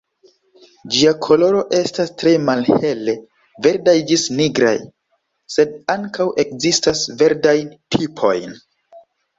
Ĝia koloro estas tre malhele verdaj ĝis nigraj, sed ankaŭ ekzistas verdajn tipojn.